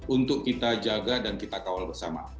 untuk kita jaga dan kita kawal bersama